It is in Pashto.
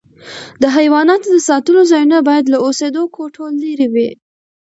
د حیواناتو د ساتلو ځایونه باید له اوسېدو کوټو لیري وي.